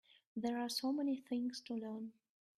There are so many things to learn.